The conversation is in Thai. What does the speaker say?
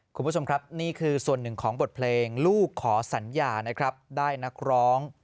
คุณผู้ชมครับนี่คือส่วนหนึ่งของบทเพลงลูกขอสัญญานะครับได้นักร้อง